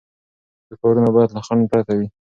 ښه کارونه باید له خنډ پرته وي.